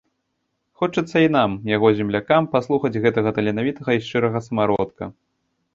Хочацца і нам, яго землякам, паслухаць гэтага таленавітага і шчырага самародка.